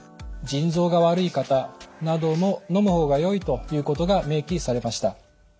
腎臓が悪い方などものむ方がよいということが明記されました。